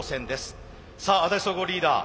さあ安達総合リーダー